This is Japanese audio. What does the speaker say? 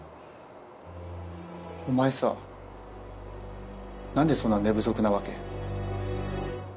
お前さなんでそんな寝不足なわけ？